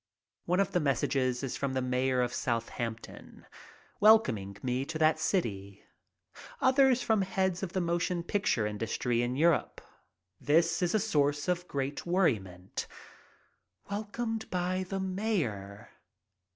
One of the messages is from the mayor of Southampton, welcoming me to that city. Others from heads of the motion picture industry in Europe. This is a source of 40 MY TRIP ABROAD great worriment. Welcomed by the mayor.